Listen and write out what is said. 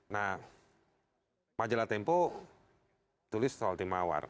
nah majalah tempo tulis soal timawar